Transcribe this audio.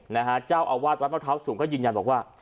พระเจ้าอาวาสวัตรวัดมะเขาสูงก็ยืนยันบอกว่า